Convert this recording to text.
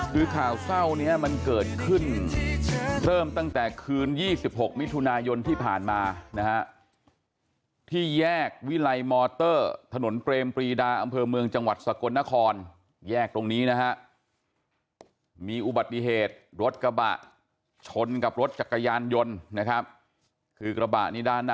คือข่าวเศร้านี้มันเกิดขึ้นเริ่มตั้งแต่คืน๒๖มิถุนายนที่ผ่านมานะฮะที่แยกวิไลมอเตอร์ถนนเปรมปรีดาอำเภอเมืองจังหวัดสกลนครแยกตรงนี้นะฮะมีอุบัติเหตุรถกระบะชนกับรถจักรยานยนต์นะครับคือกระบะนี่ด้านหน้า